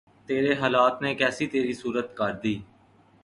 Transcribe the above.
تیرے حالات نے کیسی تری صورت کر دی